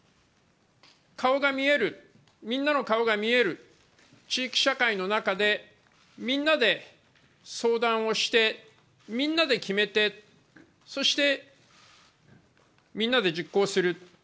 顔が見える、みんなの顔が見える地域社会の中でみんなで相談して、みんなで決めてそして、みんなで実行する。